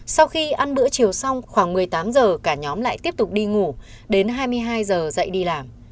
sau khi ăn bữa chiều xong khoảng một mươi tám h cả nhóm lại tiếp tục đi ngủ đến hai mươi hai h dậy đi làm